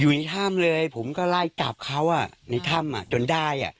อยู่ในถ้ำเลยผมก็ไล่จับเขาในถ้ำจนได้